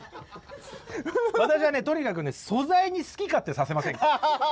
私はねとにかくね素材に好き勝手させませんから。